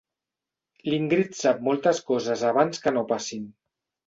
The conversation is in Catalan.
L'Ingrid sap moltes coses abans que no passin.